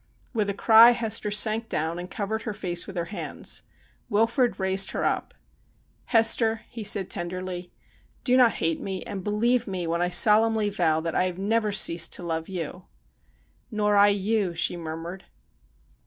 With a cry Hester sank down and covered her face with her hands. Wilfrid raised her up. ' Hester,' he said tenderly, ' do not hate me, and believe me when I solemnly vow that I have never ceased to love you.' ' Nor I you,' she murmured.